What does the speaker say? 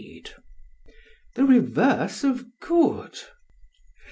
PHAEDRUS: The reverse of good.